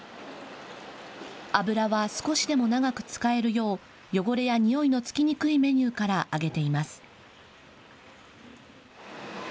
油は少しでも長く使えるよう、汚れやにおいのつきにくいメニューから揚げています。